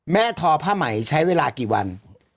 ทอผ้าไหมใช้เวลากี่วัน